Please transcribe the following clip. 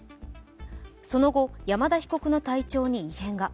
その後、山田被告の体調に異変が。